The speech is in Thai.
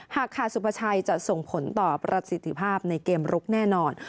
หากขาดสุภาชัยจะส่งผลต่อประสิทธิภาพในเกมลุกแน่นอน